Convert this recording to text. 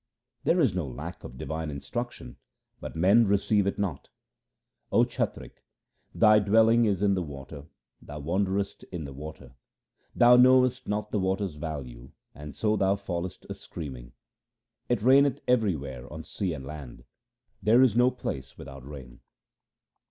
There is no lack of divine instruction, but men receive it not :— O chatrik, thy dwelling is in the water ; thou wanderest in the water ; Thou knowest not the water's value and so thou fallest a screaming. It raineth everywhere on sea and land ; there is no place without rain.